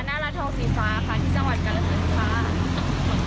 นาระทองศรีฟ้าค่ะที่สหรัฐกาลสิงค่ะ